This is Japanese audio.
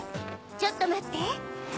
ちょっとまって。